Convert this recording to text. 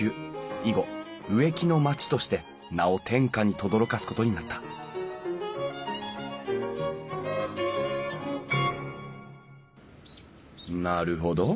以後「植木の町」として名を天下にとどろかす事になったなるほど。